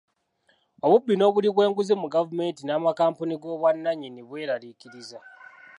Obubbi n'obuli bw'enguzi mu gavumenti n'amakampuni g'obwannannyini bweraliikiriza.